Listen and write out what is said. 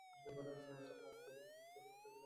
তার মামাতো বোন জুন মাসে জন্মগ্রহণ করে।